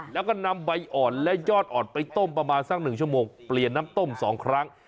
แล้วก็นำใบอ่อนและยอดอ่อนไปต้มประมาณสัก๑ชั่วโมงเปลี่ยนน้ำต้ม๒ครั้ง